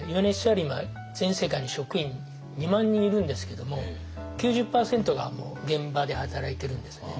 今全世界に職員２万人いるんですけども９０％が現場で働いてるんですよね。